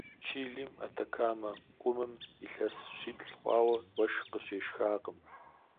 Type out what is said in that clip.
Чилим, Атакамэ къумым, илъэс щиплӏ хъуауэ уэшх къыщешхакъым.